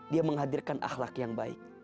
dia menghadirkan ahlak yang baik